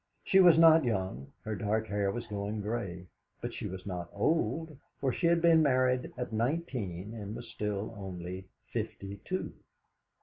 She was not young, her dark hair was going grey; but she was not old, for she had been married at nineteen and was still only fifty two.